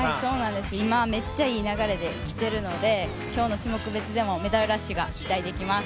今、めっちゃいい流れできているので今日の種目別でもメダルラッシュが期待できます。